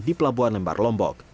di pelabuhan lembar lombok